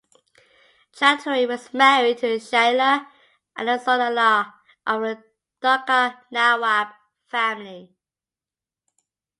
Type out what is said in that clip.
Chowdhury was married to Shaila Ahsanullah of the Dhaka Nawab Family.